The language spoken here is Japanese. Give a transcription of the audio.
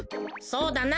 そうだな。